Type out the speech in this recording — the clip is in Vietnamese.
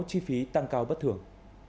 chi phí tăng cao bất thường